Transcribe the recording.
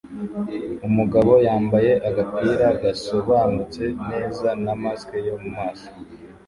Umugabo yambaye agapira gasobanutse neza na mask yo mumaso